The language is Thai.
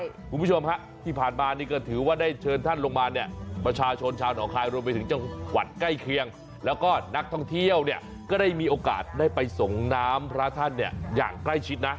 คุณผู้ชมฮะที่ผ่านมานี่ก็ถือว่าได้เชิญท่านลงมาเนี่ยประชาชนชาวหนองคายรวมไปถึงจังหวัดใกล้เคียงแล้วก็นักท่องเที่ยวเนี่ยก็ได้มีโอกาสได้ไปส่งน้ำพระท่านเนี่ยอย่างใกล้ชิดนะ